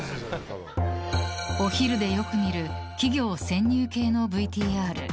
お昼でよく見る企業潜入系のＶＴＲ。